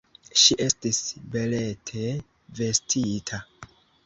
Ŝi estis belete vestita.